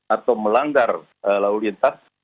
atau melanggar laulintas